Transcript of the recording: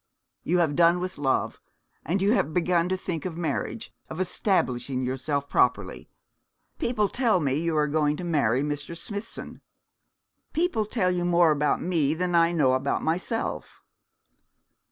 'You have done with love; and you have begun to think of marriage, of establishing yourself properly. People tell me you are going to marry Mr. Smithson.' 'People tell you more about me than I know about myself.'